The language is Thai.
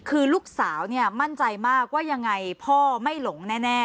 คือลูกสาวเนี่ยมั่นใจมากว่ายังไงพ่อไม่หลงแน่